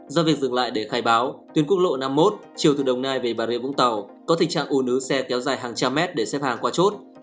do việc dừng lại để khai báo tuyến quốc lộ năm mươi một chiều từ đồng nai về bà rịa vũng tàu có tình trạng ủ nứ xe kéo dài hàng trăm mét để xếp hàng qua chốt